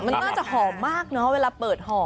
มันน่าจะหอมมากเนอะเวลาเปิดห่อ